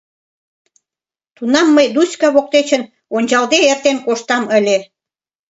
Тунам мый Дуська воктечын ончалде эртен коштам ыле.